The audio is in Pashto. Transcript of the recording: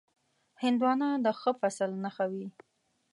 هندوانه د ښه فصل نښه وي.